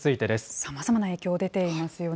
さまざまな影響出ていますよね。